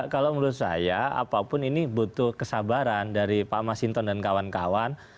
kalau menurut saya apapun ini butuh kesabaran dari pak masinton dan kawan kawan